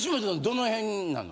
どの辺？